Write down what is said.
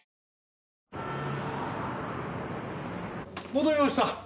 戻りました。